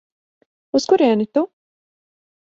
Uz kurieni tu?